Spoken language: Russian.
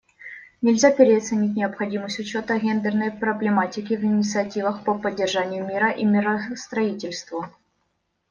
Нельзя переоценить необходимость учета гендерной проблематики в инициативах по поддержанию мира и миростроительству.